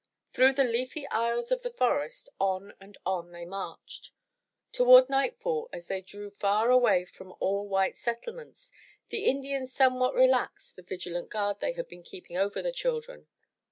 Through the leafy aisles of the forest, on and on they marched. Toward nightfall as they drew far away from all white settlements, the Indians somewhat relaxed the vigilant guard they had been keeping over the children.